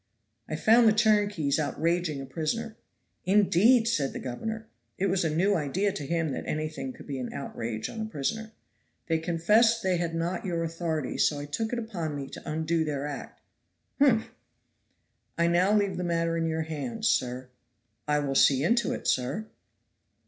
"I found the turnkeys outraging a prisoner." "Indeed!" said the governor. It was a new idea to him that anything could be an outrage on a prisoner. "They confessed they had not your authority, so I took upon me to undo their act." "Humph!" "I now leave the matter in your hands, sir." "I will see into it, sir."